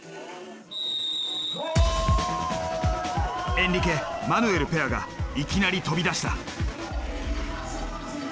エンリケマヌエルペアがいきなり飛び出した。